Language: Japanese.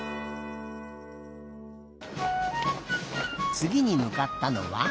つぎにむかったのは。